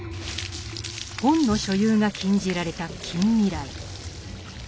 本の所有が禁じられた近未来。